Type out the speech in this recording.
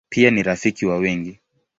Pia ni rafiki wa wengi.